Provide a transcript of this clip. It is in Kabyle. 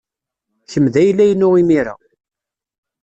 Kemm d ayla-inu imir-a.